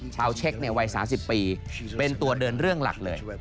เช็ควัย๓๐ปีเป็นตัวเดินเรื่องหลักเลย